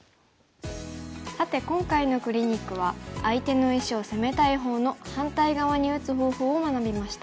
さて今回のクリニックは相手の石を攻めたい方の反対側に打つ方法を学びました。